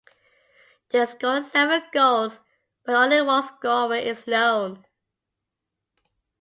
They scored seven goals but only one scorer is known.